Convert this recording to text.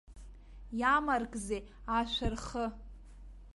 Иамаркзи, ашәа рхы!